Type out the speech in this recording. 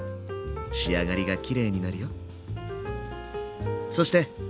仕上がりがきれいになるよ。